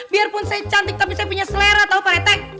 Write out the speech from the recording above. biarpun saya cantik tapi saya punya selera tau paretek